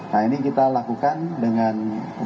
nah ini kita lakukan dengan